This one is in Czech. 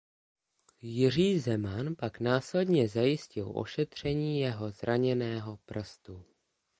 Jiří Zeman pak následně zajistil ošetření jeho zraněného prstu.